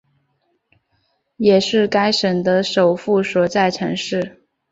也是该省的首府所在城市。